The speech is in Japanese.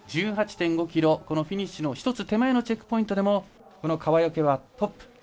１８．５ｋｍフィニッシュの１つ手前のチェックポイントでも川除はトップ。